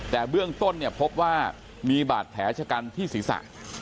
แต่เบื้องต้นเนี่ยพบว่ามีบาดแผลชะกันที่ศีรษะ